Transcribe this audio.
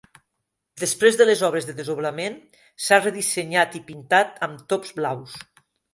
Després de les obres de desdoblament, s'ha redissenyat i pintat amb tops blaus.